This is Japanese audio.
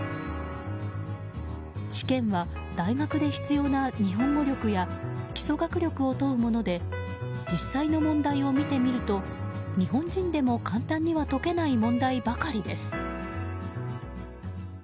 試験は大学で必要な日本語力や基礎学力を問うもので実際の問題を見てみると日本人でも簡単には解けない問題ばかりです。